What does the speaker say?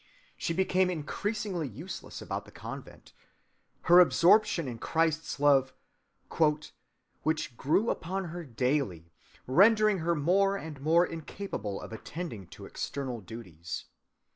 She became increasingly useless about the convent, her absorption in Christ's love,— "which grew upon her daily, rendering her more and more incapable of attending to external duties.